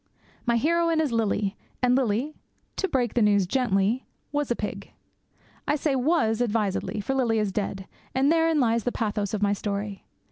My heroine is Lily; and Lily to break the news gently was a pig. I say was advisedly, for Lily is dead, and therein lies the pathos of my story.